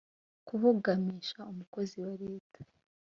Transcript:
kubogamisha umukozi wa leta